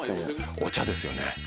お茶ですよね。